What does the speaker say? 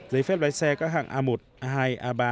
giấy phép lái xe các hạng a một a hai a ba